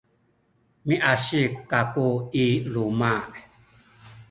miasik kaku i luma’.